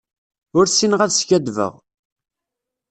Ur ssineɣ ad skaddbeɣ.